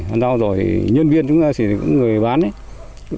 bán rau rồi thì nhân viên chúng ta thì cũng người bán ấy